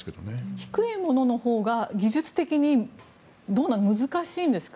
低いもののほうが技術的にどうなんですか？